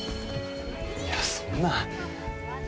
いやそんな。